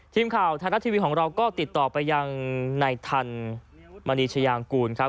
ทีมข่าวไทยรัฐทีวีของเราก็ติดต่อไปยังในทันมณีชายางกูลครับ